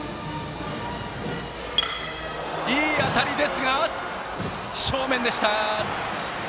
いい当たりですがセンター正面でした。